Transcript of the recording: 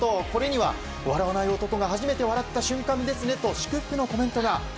これには笑わない男が初めて笑った瞬間ですねと祝福のコメントが。